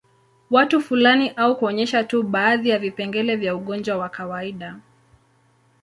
Watu fulani au kuonyesha tu baadhi ya vipengele vya ugonjwa wa kawaida